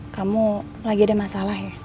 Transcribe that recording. kamu lagi ada masalah ya